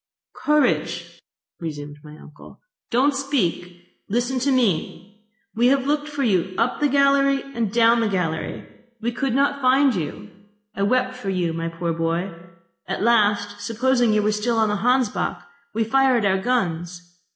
.... "Courage," resumed my uncle. "Don't speak. Listen to me. We have looked for you up the gallery and down the gallery. Could not find you. I wept for you, my poor boy. At last, supposing you were still on the Hansbach, we fired our guns.